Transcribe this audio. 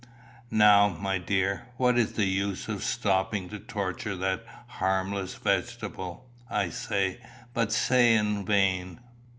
"Now, my dear, what is the use of stopping to torture that harmless vegetable?" I say, but say in vain.